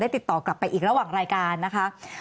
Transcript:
ติดต่อกลับไปอีกระหว่างรายการนะคะ